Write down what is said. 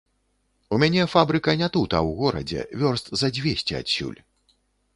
У мяне фабрыка не тут, а ў горадзе, вёрст за дзвесце адсюль.